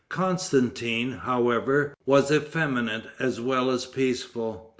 Constantin, however, was effeminate as well as peaceful.